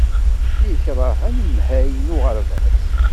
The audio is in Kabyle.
Yekṛeh anemhal n uɣerbaz.